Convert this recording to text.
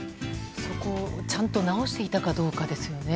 そこをちゃんと直していたかですよね。